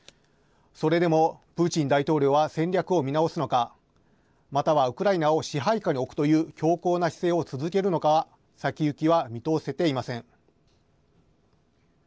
それでも、プーチン大統領は戦略を見直すのかまたは、ウクライナを支配下に置くという強硬な姿勢を続けるのか先行きは見通せていません。